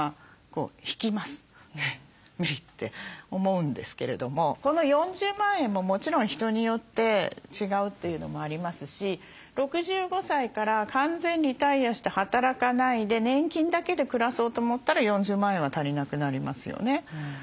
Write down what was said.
無理って思うんですけれどもこの４０万円ももちろん人によって違うというのもありますし６５歳から完全リタイアして働かないで年金だけで暮らそうと思ったら４０万円は足りなくなりますよね。